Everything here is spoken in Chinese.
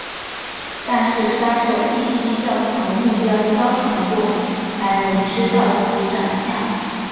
但是杀手必须要和目标交谈过才能知道其长相。